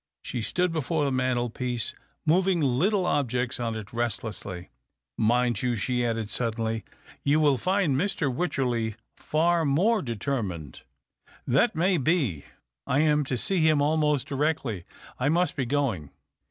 She stood before the mantelpiece, moving little objects on it restlessly. " Mind you," she added, suddenly, " you will find j\Ir. Wycherley far more deter mined." 292 THE OCTAVE OF CLAUDIUS. " That may be. I am to see him — almost directly. I must be going."